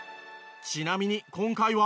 ちなみに今回は。